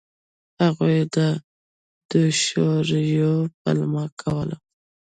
هغوی د دوشواریو پلمه کوله.